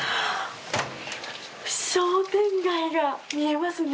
商店街が見えますね